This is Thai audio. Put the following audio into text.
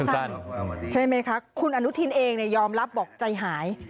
ใช่ไหมคะคุณอนุทินเองยอมรับบอกใจหาย